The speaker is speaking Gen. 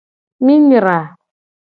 Mi nyra.